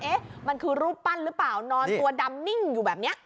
เอ๊ะมันคือรูปปั้นหรือเปล่านอนตัวดำนิ่งอยู่แบบนี้